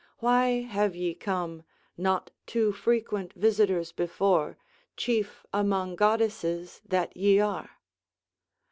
Why have ye come, not too frequent visitors before, chief among goddesses that ye are?"